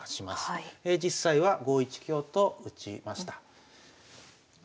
実際は５一香と打ちました。